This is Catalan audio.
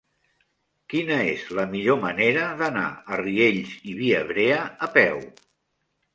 Quina és la millor manera d'anar a Riells i Viabrea a peu?